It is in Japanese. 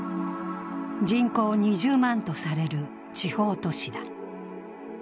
人口２０万とされる地方都市だ。